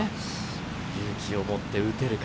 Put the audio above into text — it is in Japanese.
勇気を持って打てるか？